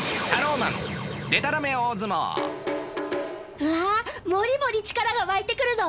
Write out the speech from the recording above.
うわもりもり力が湧いてくるぞ！